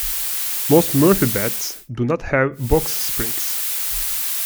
Most Murphy beds do not have box springs.